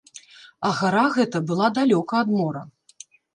А гара гэта была далёка ад мора.